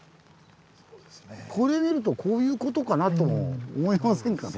これ見るとこういうことかなと思いませんかね。